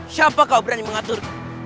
siapa kau berani mengatur